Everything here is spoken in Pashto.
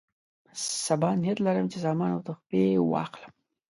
سبا نیت لرم چې سامان او تحفې واخلم.